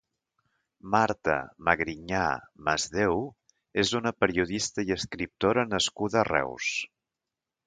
Marta Magrinyà Masdéu és una periodista i escriptora nascuda a Reus.